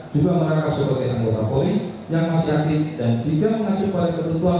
juga merangkap sebagai anggota polri yang masih aktif dan jika mengacu pada ketentuan